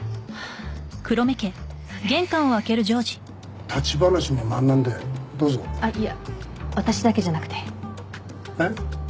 そうです立ち話もなんなんでどうぞあっいや私だけじゃなくてえっ？